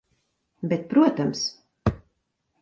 Bet protams.